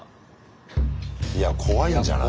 いや怖いんじゃない？